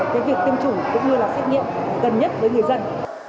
cái việc tiêm chủng cũng như là xét nghiệm